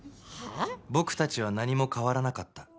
僕たちは何も変わらなかった